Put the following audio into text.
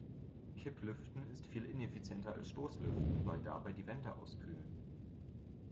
Kipplüften ist viel ineffizienter als Stoßlüften, weil dabei die Wände auskühlen.